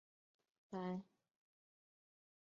白木乌桕为大戟科乌桕属下的一个种。